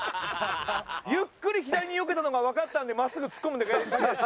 ゆっくり左によけたのがわかったんで真っすぐ突っ込んだだけです。